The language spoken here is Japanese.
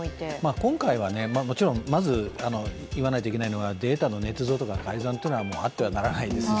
今回はまず言わないといけないのはデータのねつ造とか改ざんはあってはならないですし、